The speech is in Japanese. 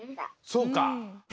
そうか！